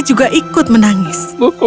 dia juga ikut menangis